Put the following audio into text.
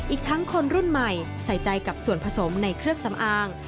อีกทั้งคนรุ่นใหม่ใส่ใจกับส่วนผสมในเครื่องสำอาง